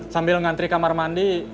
sambil ngantri kamar mandi